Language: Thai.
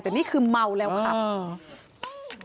แต่นี่คือเมาแล้วค่ะ